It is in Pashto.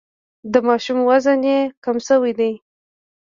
د ماشوم وزن مي کم سوی دی.